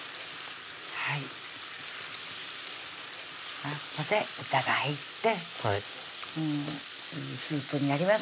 はい豚が入っていいスープになります